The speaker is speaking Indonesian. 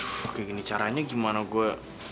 aduh kayak gini caranya gimana gue